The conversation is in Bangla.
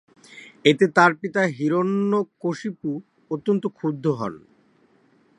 এতে তার পিতা হিরণ্যকশিপু অত্যন্ত ক্ষুব্ধ হন।